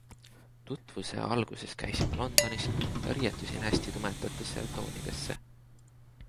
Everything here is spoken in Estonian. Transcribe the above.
Tutvuse alguses käisime Londonis ja riietusin hästi tumedatesse toonidesse.